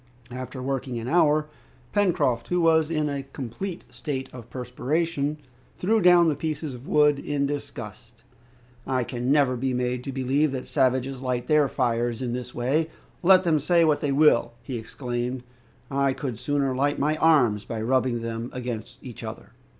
After working an hour, Pencroft, who was in a complete state of perspiration, threw down the pieces of wood in disgust. "I can never be made to believe that savages light their fires in this way, let them say what they will," he exclaimed. "I could sooner light my arms by rubbing them against each other!"